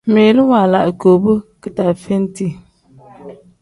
Ngmiilu waala igoobu kidaaveeniti.